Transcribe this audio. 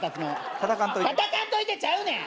叩かんといてちゃうねん！